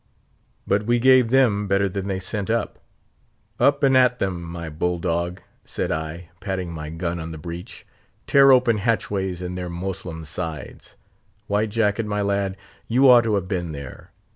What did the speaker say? But we gave them better than they sent. 'Up and at them, my bull dog!' said I, patting my gun on the breech; 'tear open hatchways in their Moslem sides! White Jacket, my lad, you ought to have been there.